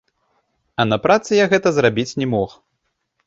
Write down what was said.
А на працы я гэта зрабіць не мог.